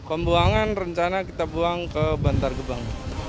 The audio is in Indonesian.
pembuangan rencana kita buang ke bantar gebang